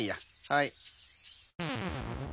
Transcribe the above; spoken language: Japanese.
はい。